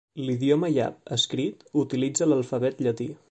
L'idioma yap escrit utilitza l'alfabet llatí.